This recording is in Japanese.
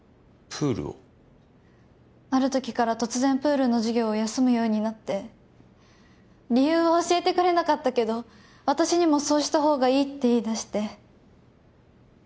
あるときから突然プールの授業を休むようになって理由は教えてくれなかったけど私にもそうした方がいいって言いだして。